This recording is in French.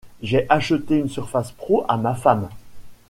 J'ai acheté une surface pro à ma femme.